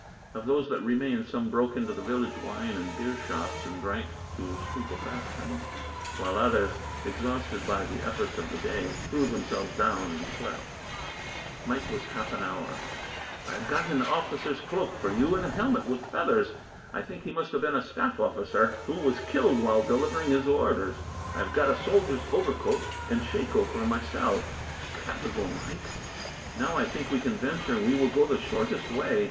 Of those that remained, some broke into the village wine and beer shops and drank to stupefaction; while others, exhausted by the efforts of the day, threw themselves down and slept. Mike was away half an hour. "I have got an officer's cloak for you, and a helmet with feathers. I think he must have been a staff officer, who was killed while delivering his orders. I have got a soldier's overcoat and shako for myself." "Capital, Mike! Now I think that we can venture, and we will go the shortest way.